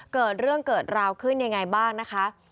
เกิดเรื่องเกิดราวขึ้นยังไงบ้างนะคะ